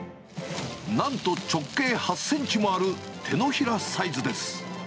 なんと直径８センチもある手のひらサイズです。